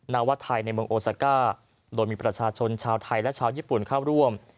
นาวัดไทยในเมืองโอซาก้าโดยมีประชาชนชาวไทยและชาวญี่ปุ่นเข้าร่วม